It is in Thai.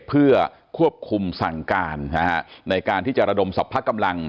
เพื่อควบคุมสั่งการในการที่จะระดมสรรพกำลัง